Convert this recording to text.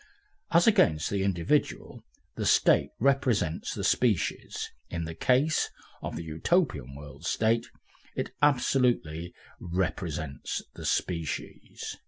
As against the individual the state represents the species, in the case of the Utopian World State it absolutely represents the species.